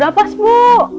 udah pas bu